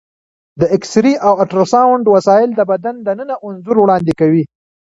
د ایکسرې او الټراساونډ وسایل د بدن دننه انځور وړاندې کوي.